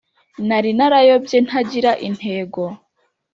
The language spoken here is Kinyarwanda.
nari narayobye ntagira intego,